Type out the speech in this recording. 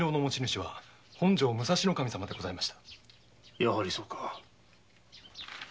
やはりそうか。